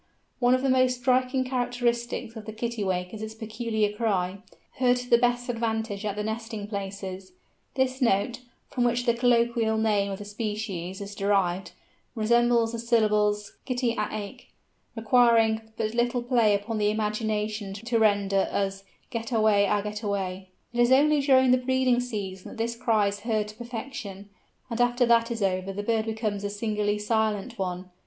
One of the most striking characteristics of the Kittiwake is its peculiar cry, heard to the best advantage at the nesting places. This note, from which the colloquial name of the species is derived, resembles the syllables kitty a ake, requiring but little play upon the imagination to render as get a way ah get away. It is only during the breeding season that this cry is heard to perfection, and after that is over the bird becomes a singularly silent one.